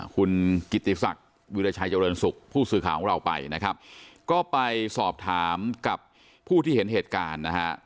คุณกิติศักดิ์วิราชัยเจริญสุขผู้สื่อข่าวของเราไปนะครับก็ไปสอบถามกับผู้ที่เห็นเหตุการณ์นะฮะ